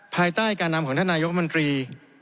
ภายใต้การนำของท่านนายกมนตรี